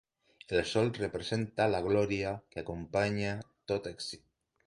El sol representa la glòria que acompanya tot èxit.